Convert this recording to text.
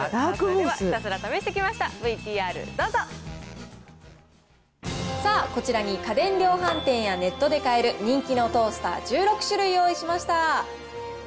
では、ひたすら試してきました、ＶＴＲどうぞ。さあ、こちらに家電量販店やネットで買える人気のトースター１６種類用意しました。